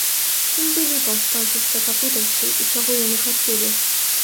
Кім былі паўстанцы-стракапытаўцы і чаго яны хацелі?